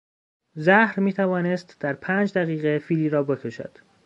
زهر میتوانست در پنج دقیقه فیلی را بکشد.